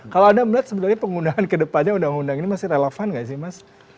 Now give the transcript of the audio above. kalau anda melihat sebenarnya penggunaan kedepannya undang undang ini masih relevan nggak sih mas